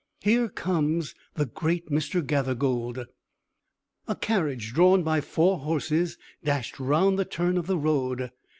"Here comes the great Mr. Gathergold!" A carriage, drawn by four horses, dashed round the turn of the road.